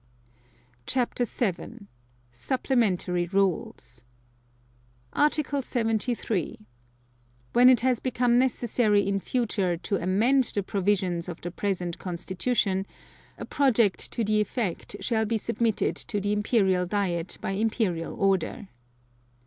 CHAPTER VII. SUPPLEMENTARY RULES Article 73. When it has become necessary in future to amend the provisions of the present Constitution, a project to the effect shall be submitted to the Imperial Diet by Imperial Order.